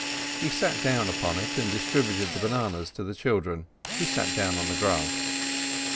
He sat down upon it and distributed the bananas to the children, who sat down on the grass.